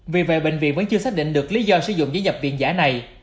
vì vậy bệnh viện vẫn chưa xác định được lý do sử dụng giấy nhập tiền giả này